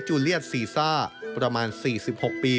เลียนซีซ่าประมาณ๔๖ปี